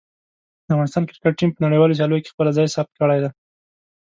د افغانستان کرکټ ټیم په نړیوالو سیالیو کې خپله ځای ثبت کړی دی.